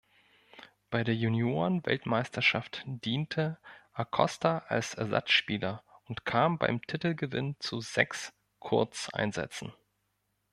Bei der Junioren-Weltmeisterschaft diente Acosta als Ersatzspieler und kam beim Titelgewinn zu sechs Kurzeinsätzen.